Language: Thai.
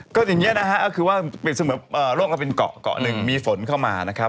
ก็อย่างนี้นะครับก็คือว่าเปรียบเหมือนโลกเราเป็นเกาะ๑มีฝนเข้ามานะครับ